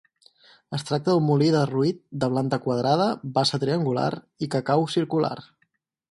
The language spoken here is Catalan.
Es tracta d'un molí derruït de planta quadrada, bassa triangular i cacau circular.